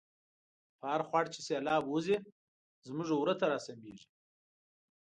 په هرخوړ چی سیلاب وزی، زمونږ وره ته را سمیږی